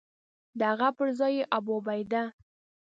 د هغه پر ځای یې ابوعبیده.